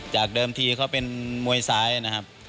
จากเดิมทีเขาเป็นมวยซ้ายนะครับ